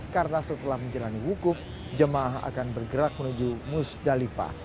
karena setelah menjalani hukuf jemaah akan bergerak menuju musdalifah